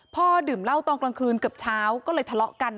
ดื่มเหล้าตอนกลางคืนเกือบเช้าก็เลยทะเลาะกัน